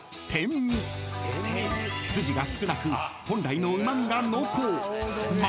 ［筋が少なく本来のうま味が濃厚］